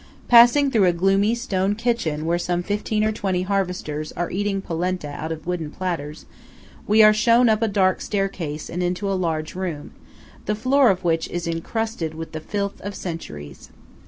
Passing through a gloomy stone kitchen where some fifteen or twenty harvesters are eating polenta out of wooden platters, we are shown up a dark staircase and into a large room, the floor of which is encrusted with the filth of centuries.